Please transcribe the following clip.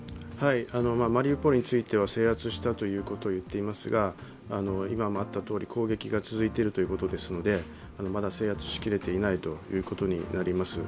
マリウポリについては制圧したと言っていますが、攻撃が続いているということですので、まだ制圧しきれてないということになります。